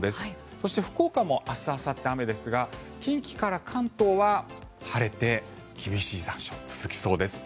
そして、福岡も明日あさって雨ですが近畿から関東は晴れて厳しい残暑、続きそうです。